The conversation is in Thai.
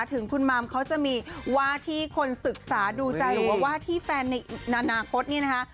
ถึงคุณมามเขาจะมีว่าที่คนศึกษาดูใจหรือว่าว่าที่แฟนในอนาคตเนี่ยนะคะ